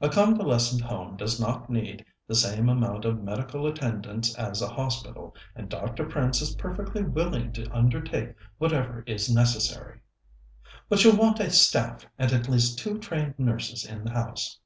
"A convalescent home does not need the same amount of medical attendance as a hospital, and Dr. Prince is perfectly willing to undertake whatever is necessary." "But you'll want a staff, and at least two trained nurses in the house."